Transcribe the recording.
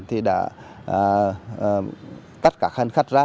thì đã cắt các khách ra